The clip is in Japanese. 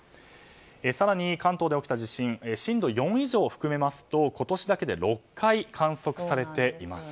更に関東で起きた地震震度４以上を含めますと今年だけで６回観測されています。